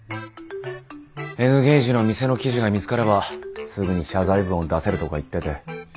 Ｎゲージの店の記事が見つかればすぐに謝罪文を出せるとか言ってて。